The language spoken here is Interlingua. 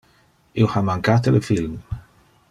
Io ha mancate le film.